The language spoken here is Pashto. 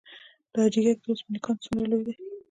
د حاجي ګک د وسپنې کان څومره لوی دی؟